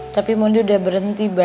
tapi mondi udah berhenti